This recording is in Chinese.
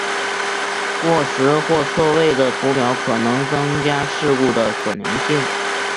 过时或错位的图表可能增加事故的可能性。